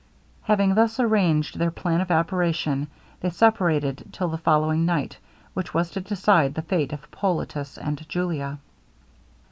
Having thus arranged their plan of operation, they separated till the following night, which was to decide the fate of Hippolitus and Julia.